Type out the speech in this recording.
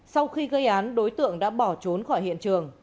sau khi gây án đối tượng đã bỏ trốn khỏi hiện trường